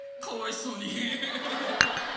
かわいそうに。